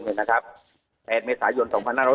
๘เมษายน๒๕๖๐